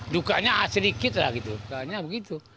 dukanya sedikit lah gitu kayaknya begitu